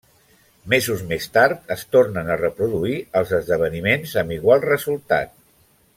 Mesos més tard es tornen a reproduir els esdeveniments amb igual resultat.